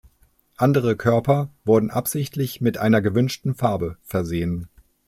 Andere Körper wurden absichtlich mit einer gewünschten Farbe versehen.